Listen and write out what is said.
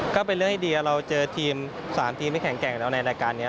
ก็เป็นเรื่องให้ดีเราเจอทีม๓ทีมที่แข็งแกร่งแล้วในรายการนี้